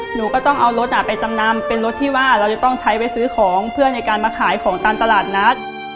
หนูก็ต้องเอารถไปจำนำเป็นรถที่ว่าเราจะต้องใช้ไปซื้อของเพื่อในการมาขายของตามตลาดนัด